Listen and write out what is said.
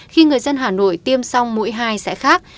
khi người dân hà nội tiêm xong mũi hai sẽ khác